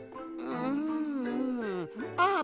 うん。あっ！